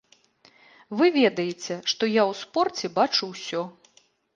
Вы ведаеце, што я ў спорце бачу ўсё.